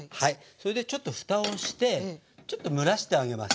それでちょっとふたをしてちょっと蒸らしてあげます。